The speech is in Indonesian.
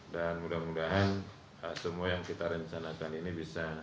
dan mudah mudahan semua yang kita rencanakan ini bisa